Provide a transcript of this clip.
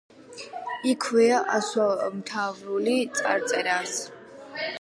იქვეა ასომთავრული წარწერაც.